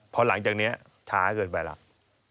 พอหลังจากนี้ช้าเกินไปแล้ว